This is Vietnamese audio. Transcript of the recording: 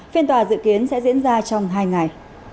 phiên tòa dự kiến sẽ diễn ra trong hai ngày